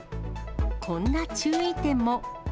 こんな注意点も。